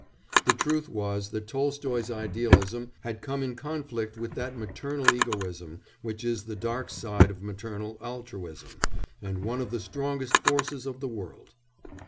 The truth was that Tolstoy's idealism had come in conflict with that maternal egoism which is the dark side of maternal altruism, and one of the strongest forces of the world.